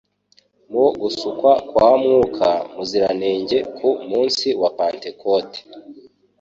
Mu gusukwa kwa Mwuka Muziranenge ku munsi wa Pantekote,